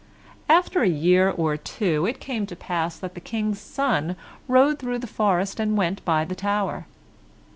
After a year or two, it came to pass that the King's son rode through the forest and went by the tower.